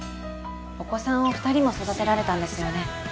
お子さんを二人も育てられたんですよね